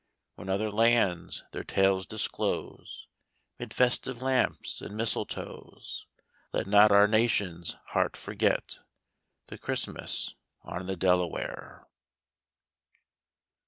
When other lands their tales disclose 'Mid festive lamps and mistletoes, Let not our nation's heart forget The Christmas on the Delaware.